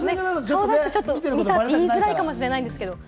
顔だしだと見たって言いづらいかもしれないんですけれども。